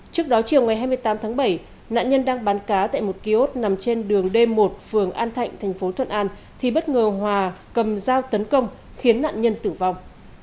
trước đó chiều ngày hai mươi tám tháng bảy nạn nhân đang bán cá tại một kiosk nằm trên đường d một phường an thạnh thành phố thuận an thì bất ngờ hòa cầm dao tấn công khiến nạn nhân tử vong